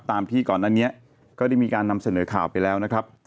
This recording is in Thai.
ที่ก่อนอันนี้ก็ได้มีการนำเสนอข่าวไปแล้วนะครับ